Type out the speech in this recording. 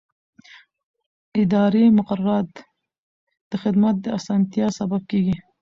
اداري مقررات د خدمت د اسانتیا سبب کېږي.